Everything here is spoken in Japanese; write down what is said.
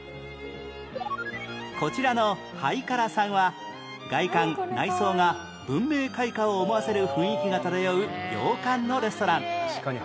こちらのはいからさんは外観内装が文明開化を思わせる雰囲気が漂う洋館のレストラン